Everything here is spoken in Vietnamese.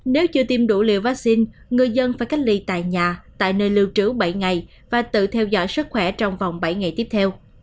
nếu chưa tiêm đủ liều vaccine người dân phải cách ly tại nhà tại nơi lưu trữ bảy ngày và tự theo dõi sức khỏe trong vòng bảy ngày tiếp theo